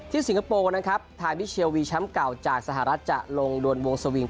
สิงคโปร์นะครับไทยมิเชียวีแชมป์เก่าจากสหรัฐจะลงดวนวงสวิง